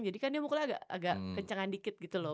jadi dia mukulnya agak kenceng dikit gitu loh